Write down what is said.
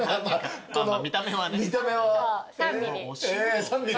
見た目はね。